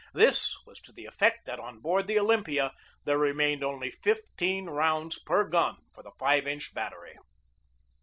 This was to the effect that on board the Olympia there remained only fifteen rounds per gun for the 5 inch battery.